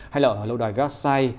hay là ở lâu đài vác sai